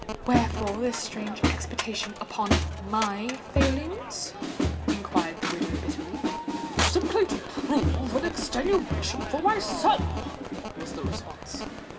"Wherefore this strange expatiation upon my failings?" inquired the widow bitterly. "Simply to prove an extenuation for myself," was the response.